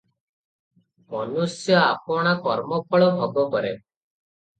ମନୁଷ୍ୟ ଆପଣା କର୍ମଫଳ ଭୋଗ କରେ ।